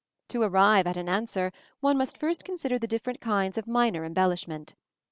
To arrive at an answer, one must first consider the different kinds of minor embellishment.